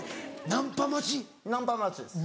ナンパ待ちです